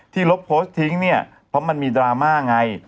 ที่ลบโพสต์ทิ้งเพราะมันมีดราม่าไง